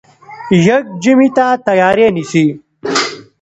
يږ ژمي ته تیاری نیسي.